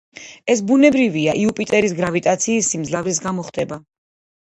ეს ბუნებრივია, იუპიტერის გრავიტაციის სიმძლავრის გამო ხდება.